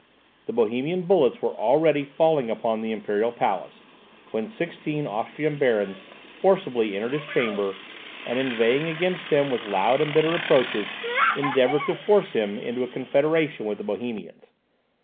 The Bohemian bullets were already falling upon the imperial palace, when sixteen Austrian barons forcibly entered his chamber, and inveighing against him with loud and bitter reproaches, endeavoured to force him into a confederation with the Bohemians.